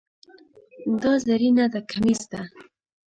دا زری نده، کمیس ده.